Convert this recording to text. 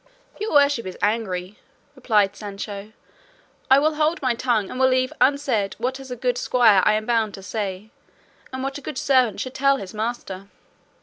"If your worship is angry," replied Sancho, "I will hold my tongue and leave unsaid what as a good squire I am bound to say, and what a good servant should tell his master."